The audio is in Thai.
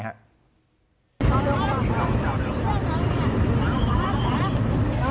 โอ้โฮโอ้โฮ